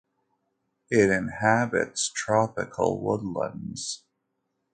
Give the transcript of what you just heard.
It inhabits tropical woodlands.